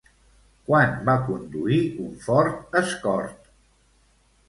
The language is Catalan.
Quan va conduir un Ford Escort?